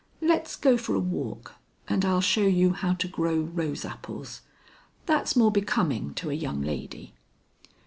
"Let's go for a walk and I'll show you how to grow rose apples. That's more becoming to a young lady."